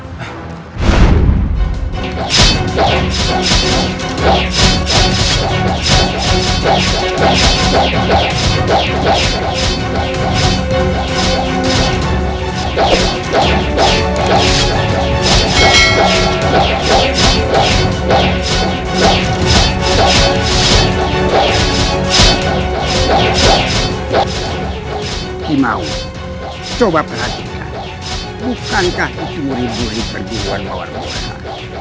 tidak mau coba perhatikan bukankah itu merindui perjalanan warna warna